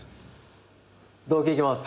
同期いきます。